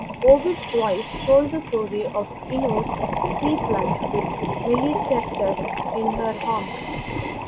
Ovid twice told the story of Ino's sea-plunge with Melicertes in her arms.